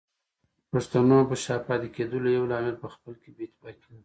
پښتنو په شا پاتې کېدلو يو لامل پخپله کې بې اتفاقي ده